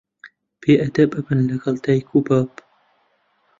بێ ئەدەب ئەبن لەگەڵ دایک و باب